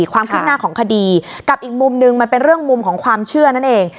ความคืบหน้าของคดีกับอีกมุมนึงมันเป็นเรื่องมุมของความเชื่อนั่นเอง